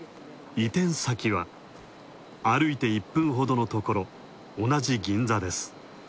移転先は歩いて１分ほどのところ、同じ銀座です。